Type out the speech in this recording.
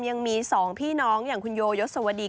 ยังมี๒พี่น้องอย่างคุณโยยศวดี